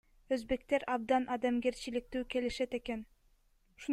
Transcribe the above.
Өзбектер абдан адамгерчиликтүү келишет экен.